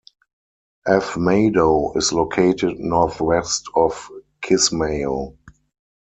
Afmadow is located northwest of Kismayo.